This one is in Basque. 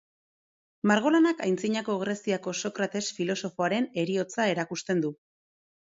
Margolanak Antzinako Greziako Sokrates filosofoaren heriotza erakusten du.